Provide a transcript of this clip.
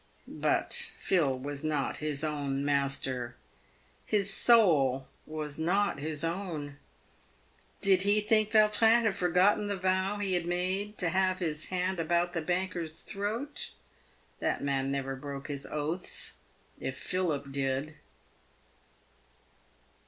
But Phil was not his own master. His soul was not his own. Did he think Yautrin had forgotten the vow he had made to have his hand about the banker's throat ? That man never broke his oaths, if Philip did.